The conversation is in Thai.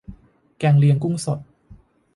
แกงเลียงกุ้งสด